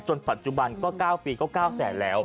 ปัจจุบันก็๙ปีก็๙แสนแล้ว